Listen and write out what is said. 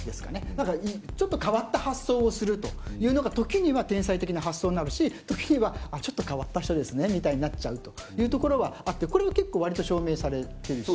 なんかちょっと変わった発想をするというのが時には天才的な発想になるし時にはあっちょっと変わった人ですねみたいになっちゃうというところはあってこれは結構割と証明されてるし。